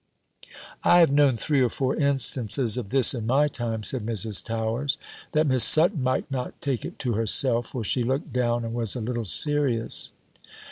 "I have known three or four instances of this in my time," said Mrs. Towers, that Miss Sutton might not take it to herself; for she looked down and was a little serious.